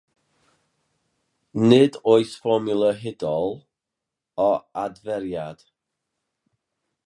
Nid oes fformwla hudol o adferiad.